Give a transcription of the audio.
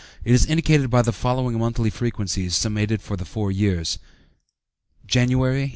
It is indicated by the following monthly frequencies, summated for the four years: Jan.